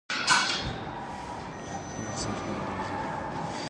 She was subsequently suspended from international competition for a period of two years.